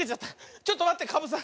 ちょっとまってかぶさん！